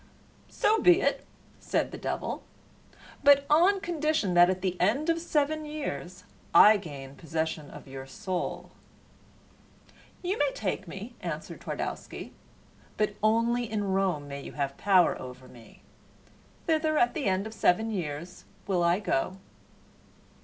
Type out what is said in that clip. "So be it," said the devil. "But on condition that at the end of seven years I gain possession of your soul." "You may take me," answered Twardowski, "but only in Rome may you have power over me. Thither, at the end of seven years, will I go."